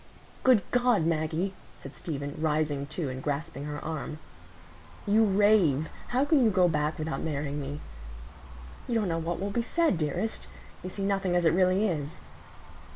"Good God, Maggie!" said Stephen, rising too and grasping her arm, "you rave. How can you go back without marrying me? You don't know what will be said, dearest. You see nothing as it really is."